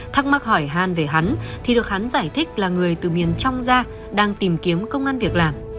thắc mắc hỏi hàn về hắn thì được hắn giải thích là người từ miền trong ra đang tìm kiếm công an việc làm